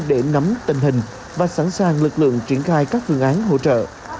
để nắm tình hình và sẵn sàng lực lượng triển khai các phương án hỗ trợ